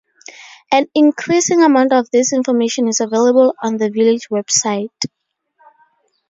An increasing amount of this information is available on the village website.